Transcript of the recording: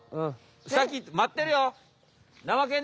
さきまってるよ。